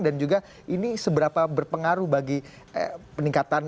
dan juga ini seberapa berpengaruh bagi peningkatan atau peningkatan